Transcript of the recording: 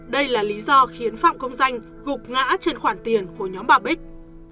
đây là lý do khiến phạm công danh gục ngã trên khoản tiền của nhóm bà bích